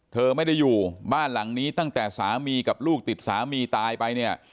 เธอไม่ได้อยู่บ้านหลังนี้ตั้งแต่สามีกับลูกติดสามีตายไปเนี่ย